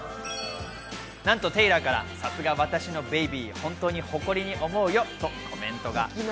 なんとテイラーから、さすが私のベイビー、本当に誇りに思うよとコメントが。